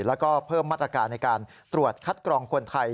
แล้วก็เพิ่มมาตรการในการตรวจคัดกรองคนไทย